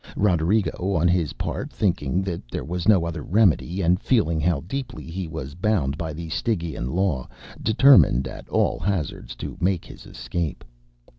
Roderigo, on his part, thinking that there was no other remedy, and feeling how deeply he was bound by the Stygian law, determined at all hazards to make his escape.